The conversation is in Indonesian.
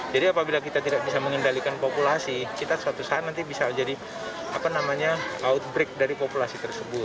jadi apabila kita tidak bisa mengendalikan populasi kita suatu saat nanti bisa jadi outbreak dari populasi